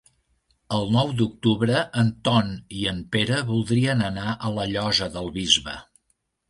El nou d'octubre en Ton i en Pere voldrien anar a la Llosa del Bisbe.